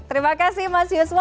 terima kasih mas yuswo